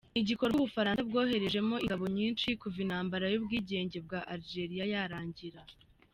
Ni igikorwa u Bufaransa bwoherejemo ingabo nyinshi kuva intambara y’ubwigenge bwa Algeria yarangira.